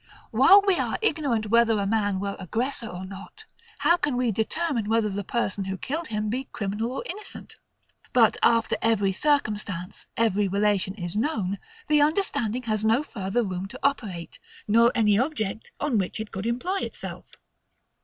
While we are ignorant whether a man were aggressor or not, how can we determine whether the person who killed him be criminal or innocent? But after every circumstance, every relation is known, the understanding has no further room to operate, nor any object on which it could employ itself.